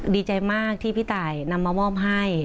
ดีใจมากที่พี่ตายนำมามอบให้